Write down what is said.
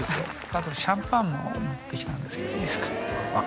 あとシャンパンも持ってきたんですけどいいですか？